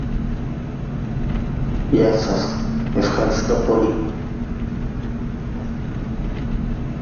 Και γυρίζοντας από τη μέσα μεριά αποκοιμήθηκε.